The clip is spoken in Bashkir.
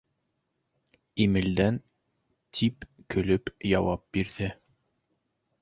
Имелдән, — тип көлөп яуап бирҙе.